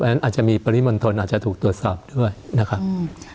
อันนั้นอาจจะมีปริมนต์ทนอาจจะถูกตรวจสอบด้วยนะครับอืม